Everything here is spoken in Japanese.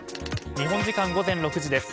日本時間午前６時です。